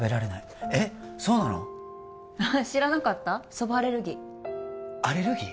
蕎麦アレルギーアレルギー？